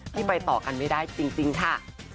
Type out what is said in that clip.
ที่ไปต่อกันไม่ได้จริงค่ะ